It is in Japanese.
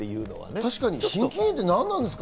確かに心筋炎って何ですか？